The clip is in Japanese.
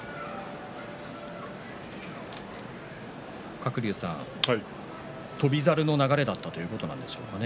鶴竜さん、翔猿の流れだったということなんでしょうかね。